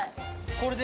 これで？